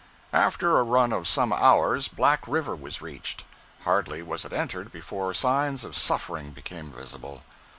After a run of some hours, Black River was reached. Hardly was it entered before signs of suffering became visible.